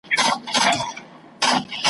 جهاني کله به ږغ سي چي راځه وطن دي خپل دی ,